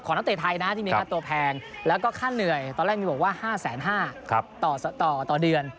นักเตะไทยนะที่มีค่าตัวแพงแล้วก็ค่าเหนื่อยตอนแรกมีบอกว่า๕๕๐๐ต่อเดือน